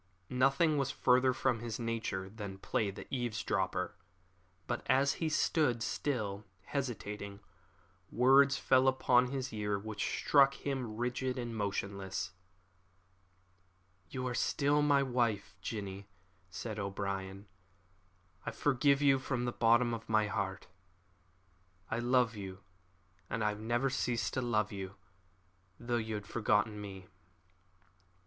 Nothing was further from his nature than play the eavesdropper; but as he stood, still hesitating, words fell upon his ear which struck him rigid and motionless. "You are still my wife, Jinny," said O'Brien; "I forgive you from the bottom of my heart. I love you, and I have never ceased to love you, though you had forgotten me."